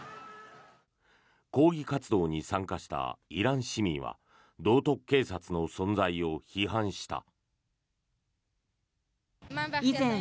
抗議活動に参加したイラン市民は道徳警察の存在を批判した。